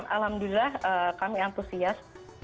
alhamdulillah kami antusias